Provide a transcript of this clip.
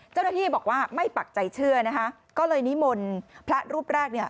เจ้าหน้าที่บอกว่าไม่ปักใจเชื่อนะคะก็เลยนิมนต์พระรูปแรกเนี่ย